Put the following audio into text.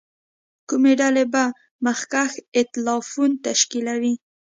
کومې ډلې به مخکښ اېتلافونه تشکیلوي.